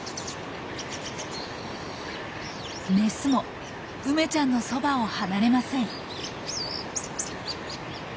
メスも梅ちゃんのそばを離れません。